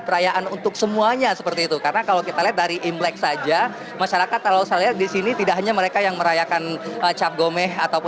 raya cap gome dari imlek saja masyarakat rendah disini tidak hanya mereka yang merayakan cap gome